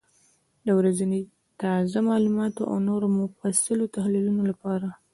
د ورځني تازه معلوماتو او نورو مفصلو تحلیلونو لپاره،